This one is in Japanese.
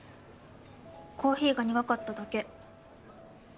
コーヒーが苦かっただけ。